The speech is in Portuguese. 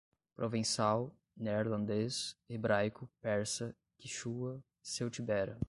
provençal, neerlandês, hebraico, persa, quíchua, celtibera